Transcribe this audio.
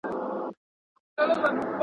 د شهپر او د خپل ځان په تماشا سو `